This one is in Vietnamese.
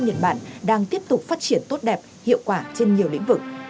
nhật bản đang tiếp tục phát triển tốt đẹp hiệu quả trên nhiều lĩnh vực